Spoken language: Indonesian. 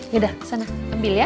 yaudah kesana ambil ya